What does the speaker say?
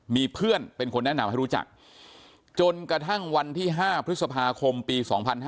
มีเพื่อนเป็นคนแนะนำให้รู้จักจนกระทั่งวันที่๕พฤษภาคมปี๒๕๕๙